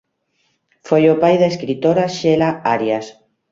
Foi o pai da escritora Xela Arias.